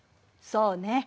そうね。